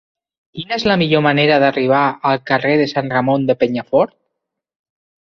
Quina és la millor manera d'arribar al carrer de Sant Ramon de Penyafort?